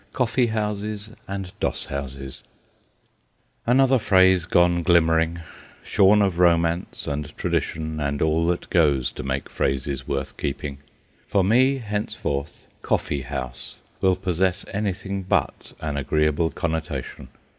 COFFEE HOUSES AND DOSS HOUSES Another phrase gone glimmering, shorn of romance and tradition and all that goes to make phrases worth keeping! For me, henceforth, "coffee house" will possess anything but an agreeable connotation.